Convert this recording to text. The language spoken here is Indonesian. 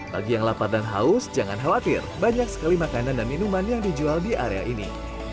bagi yang lapar dan haus jangan khawatir banyak sekali makanan dan minuman yang dijual di area ini